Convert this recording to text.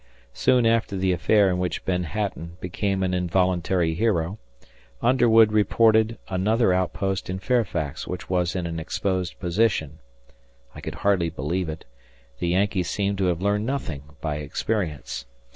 Soon after the affair in which Ben Hatton became an involuntary hero, Underwood reported another outpost in Fairfax which was in an exposed position. I could hardly believe it; the Yankees seemed to have learned nothing by experience.